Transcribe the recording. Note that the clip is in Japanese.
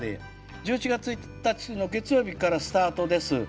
１１月１日の月曜日からスタートです。